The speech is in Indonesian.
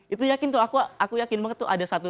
itu yakin tuh aku yakin banget tuh